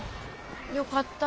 よかった。